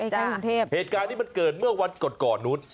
เหตุการณ์นี้มันเกิดเมื่อวันกดก่อนนุษย์